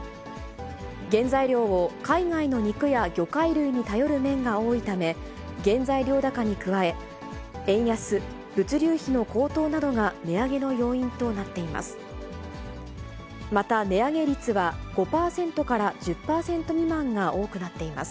原材料を海外の肉や魚介類に頼る面が多いため、原材料高に加え、円安、物流費の高騰などが値上げの要因となっています。